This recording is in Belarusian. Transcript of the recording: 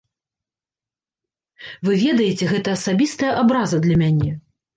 Вы ведаеце, гэта асабістая абраза для мяне.